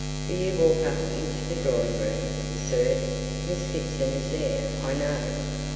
Will you walk up into the drawing room, sir? Miss Gibson is there, I know."